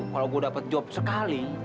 kalau gue dapat job sekali